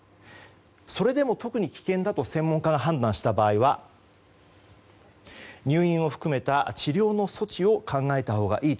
それでも特に危険だと専門家が判断した場合は入院を含めた治療の措置を考えたほうがいいと。